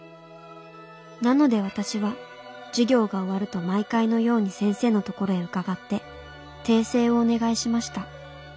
なので私は授業が終わると毎回のように先生のところへ伺って訂正をお願いしました。